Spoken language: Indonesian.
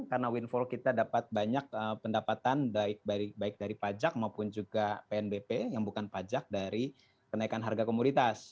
karena windfall kita dapat banyak pendapatan baik dari pajak maupun juga pnbp yang bukan pajak dari kenaikan harga komoditas